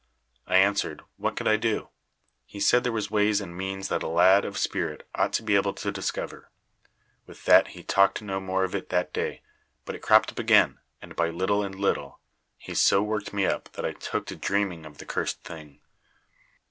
I answered, What could I do? He said there was ways and means that a lad of spirit ought to be able to discover. With that he talked no more of it that day, but it cropped up again, and by little and little he so worked me up that I took to dreaming of the cursed thing.